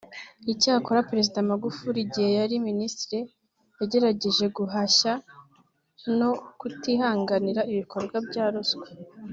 Icyakora Perezida Magufuli igihe yari Minisitiri yagerageje guhashya no kutihanganira ibikorwa bya ruswa